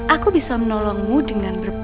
aku bisa menolongmu dengan berpengalam